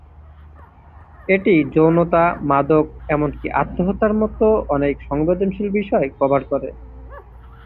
এটি যৌনতা, মাদক, এমনকি আত্মহত্যার মতো অনেক সংবেদনশীল বিষয় কভার করে।